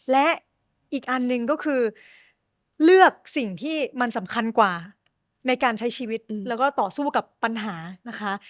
และอีกอันหนึ่งก็คือเลือกสิ่งที่มันสำคัญกว่าในการใช้ชีวิตแล้วก็ต่อสู้กับปัญหานะคะ